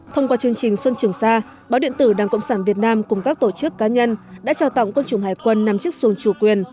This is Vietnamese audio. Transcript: thông qua chương trình xuân trường sa báo điện tử đảng cộng sản việt nam cùng các tổ chức cá nhân đã trao tặng quân chủng hải quân nằm trước xuồng chủ quyền